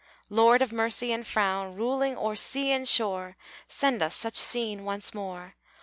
Lord of mercy and frown, Ruling o'er sea and shore, Send us such scene once more!